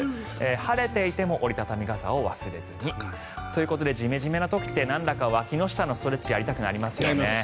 晴れていても折り畳み傘を忘れずに。ということでジメジメな時ってなんだかわきの下のストレッチをやりたくなりますよね。